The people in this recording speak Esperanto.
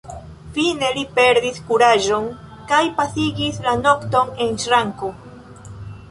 Fine li perdis kuraĝon kaj pasigis la nokton en ŝranko.